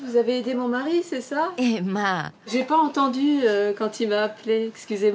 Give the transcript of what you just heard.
ええまぁ。